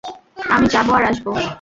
আমি যাব আর আসব।